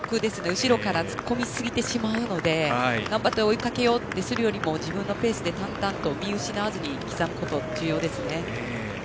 後ろから突っ込みすぎてしまうので頑張って追いかけようとするより自分のペースで淡々と見失わずに刻むことが重要ですね。